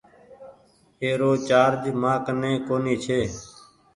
ايرو چآرج مآ ڪني ڪونيٚ ڇي۔